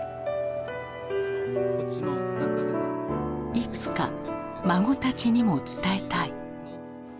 いつか孫たちにも伝えたい。